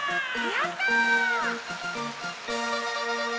やった！